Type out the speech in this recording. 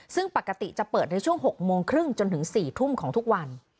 ซึ่งปกติจะเปิดในช่วง๖โมงครึ่งจนถึง๔ทุ่มของทุกวัน